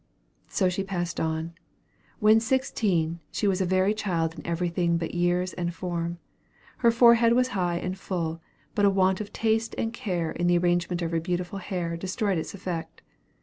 So she passed on. When sixteen, she was a very child in everything but years and form. Her forehead was high and full, but a want of taste and care in the arrangement of her beautiful hair destroyed its effect.